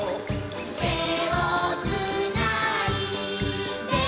「てをつないで」